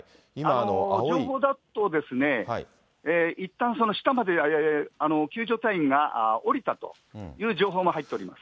情報だと、いったん、下まで救助隊員が下りたという情報も入っております。